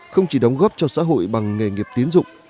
không chỉ đóng góp cho xã hội bằng nghề nghiệp tiến dụng